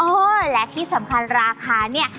และที่สำคัญราคาเนี่ย